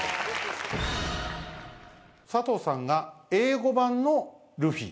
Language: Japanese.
佐藤さんが「英語版のルフィ」